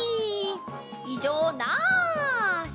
いじょうなし！